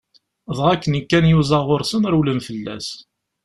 Dɣa akken kan yuẓa ɣur-sen rewlen fell-as.